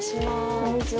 こんにちは。